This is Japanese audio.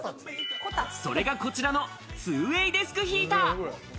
それが、こちらの２ＷＡＹデスクヒーター。